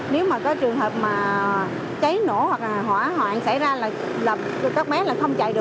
nếu mà có trường hợp mà cháy nổ hoặc là hỏa hoạn xảy ra là các bé là không chạy